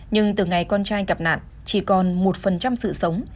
nhưng từ ngày con trai gặp nạn chỉ còn một sự sống